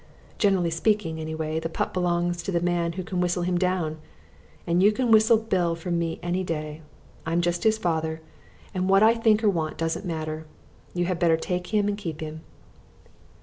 Generally speaking, anyway, the pup belongs to the man who can whistle him down, and you can whistle Bill from me any day. I'm just his father, and what I think or want doesn't matter. You had better take him and keep him!"